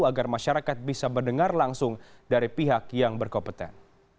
agar masyarakat bisa mendengar langsung dari pihak yang berkompeten